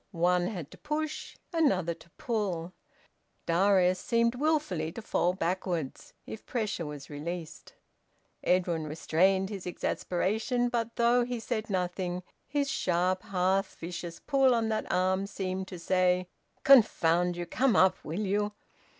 One had to push, another to pull: Darius seemed wilfully to fall backwards if pressure were released. Edwin restrained his exasperation; but though he said nothing, his sharp half vicious pull on that arm seemed to say, "Confound you! Come up will you!"